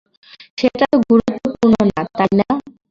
সেটা তো গুরুত্বপূর্ণ না, তাই না?